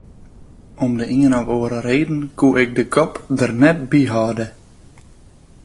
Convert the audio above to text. Om de ien of oare reden koe ik de kop der net by hâlde.